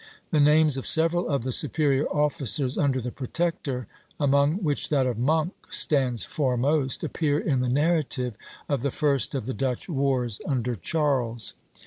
The names of several of the superior officers under the Protector, among which that of Monk stands foremost, appear in the narrative of the first of the Dutch wars under Charles.